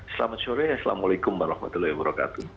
selamat sore assalamualaikum warahmatullahi wabarakatuh